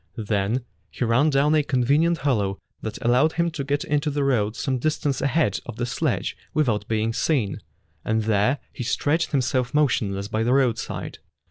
Then he ran down a convenient hollow that allowed him to get into the road some distance ahead of the sledge without being seen, and there he stretched himself motion less by the roadside.